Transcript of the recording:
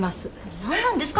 なんなんですか？